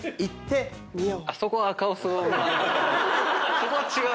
そこは違う⁉